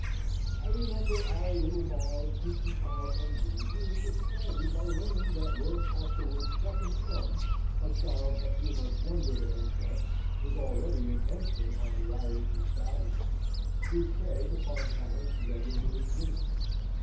I remember our little Miles's infantile envy being excited by learning that Lord Castlewood's second son, a child a few months younger than himself, was already an ensign on the Irish establishment, whose pay the fond parents regularly drew.